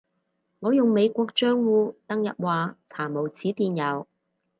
我用美國帳戶登入話查無此電郵